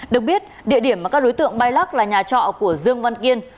được biết địa điểm mà các đối tượng bay lắc là nhà trọ của dương văn kiên